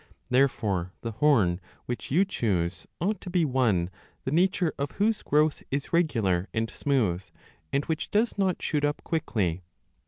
Therefore the horn which 20 you choose ought to be one the nature of whose growth is regular and smooth, and which does not shoot up quickly.